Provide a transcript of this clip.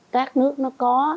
các nước nó có